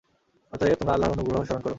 অতএব, তোমরা আল্লাহর অনুগ্রহ স্মরণ কর।